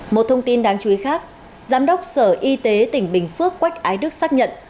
một thông tin đáng chú ý khác giám đốc sở y tế tỉnh bình phước quách ái đức xác nhận